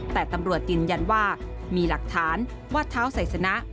แต่ตำรวจยืนยันว่ามีหลักฐานว่าเท้าไซสนะ